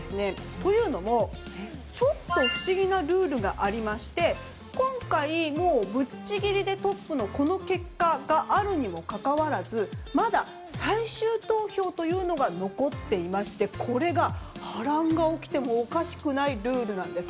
というのも、ちょっと不思議なルールがありまして今回、ぶっちぎりでトップのこの結果があるにもかかわらずまだ、最終投票というのが残っていましてこれが、波乱が起きてもおかしくないルールなんです。